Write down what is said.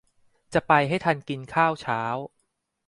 จะไปให้ทันกินข้าวเช้า